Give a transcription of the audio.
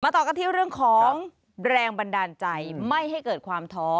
ต่อกันที่เรื่องของแรงบันดาลใจไม่ให้เกิดความท้อ